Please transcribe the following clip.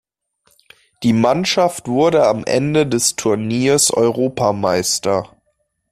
Die Mannschaft wurde am Ende des Turniers Europameister.